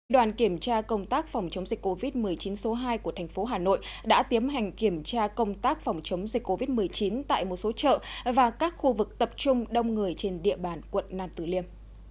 đoàn kiểm tra công tác phòng chống dịch covid một mươi chín số hai của thành phố hà nội đã tiến hành kiểm tra công tác phòng chống dịch covid một mươi chín tại một số chợ và các khu vực tập trung đông người trên địa bàn quận nam tử liêm